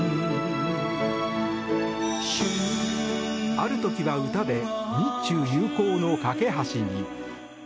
ある時は歌で日中友好の懸け橋に。